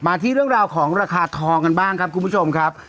ที่เรื่องราวของราคาทองกันบ้างครับคุณผู้ชมครับ